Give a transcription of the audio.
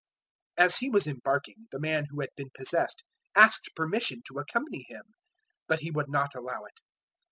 005:018 As He was embarking, the man who had been possessed asked permission to accompany Him. 005:019 But He would not allow it.